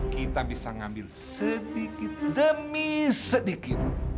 kita bisa ngambil sedikit demi sedikit